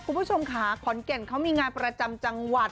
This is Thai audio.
คุณผู้ชมค่ะขอนแก่นเขามีงานประจำจังหวัด